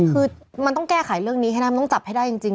คือมันต้องแก้ไขเรื่องนี้ให้นะมันต้องจับให้ได้จริง